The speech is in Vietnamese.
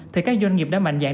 thì các doanh nghiệp đã mạnh dạng